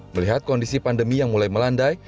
melihat kondisi pandemi yang mulai melandai